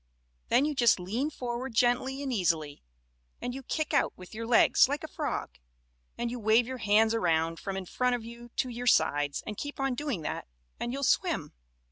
Then you just lean forward, gently and easily, and you kick out with your legs like a frog, and you wave your hands around from in front of you to your sides, and keep on doing that and you'll swim."